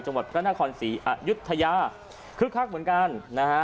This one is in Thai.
จังหวัดพระนครศรีอายุทยาคึกคักเหมือนกันนะฮะ